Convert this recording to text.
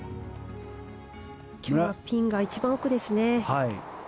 今日はピンが一番奥ですね。